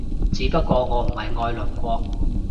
只不過我唔係愛鄰國